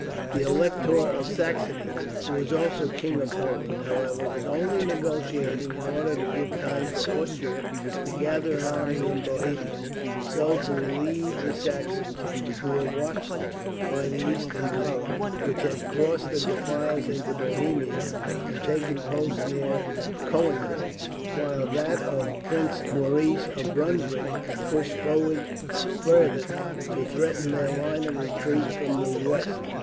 The Elector of Saxony who was also King of Poland however, was only negotiating in order to give time for Austria to gather an army in Bohemia; and so to relieve the Saxons, who were watched by the eastern column, which had crossed the defiles into Bohemia and taken post near Koeniggraetz; while that of Prince Maurice of Brunswick pushed forward farther, to threaten their line of retreat from the west.